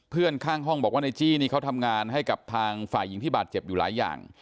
เพื่อนข้างห้องบอกว่านายจี้นี่เขาทำงานให้กับทางฝ่ายหญิงที่บาดเจ็บอยู่หลายอย่าง